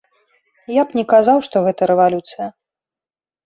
Я б не казаў, што гэта рэвалюцыя.